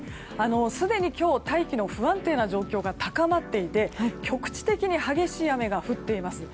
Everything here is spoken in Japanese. すでに今日大気の不安定な状態が高まっていて局地的に激しい雨が降っています。